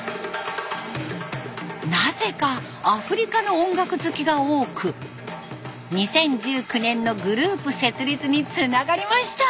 なぜかアフリカの音楽好きが多く２０１９年のグループ設立につながりました。